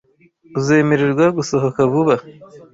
Uzemererwa gusohoka vuba.